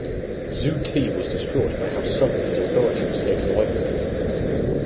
Zu Ti was distraught by how sudden his authority was taken away from him.